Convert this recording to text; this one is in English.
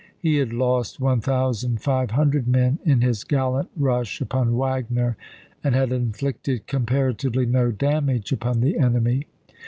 He had lost 1500 men in his gallant rush upon Wagner, and had inflicted comparatively no damage upon the enemy.